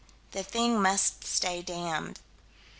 The thing must stay damned.